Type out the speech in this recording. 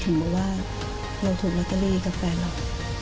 บอกว่าเราถูกลอตเตอรี่กับแฟนเรา